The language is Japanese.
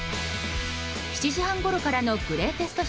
７時半ごろからのグレイテスト